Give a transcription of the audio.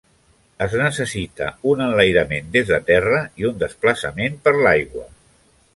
Es necessita un enlairament des de terra i un desplaçament per l'aigua.